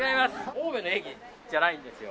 青梅の駅じゃないんですよ。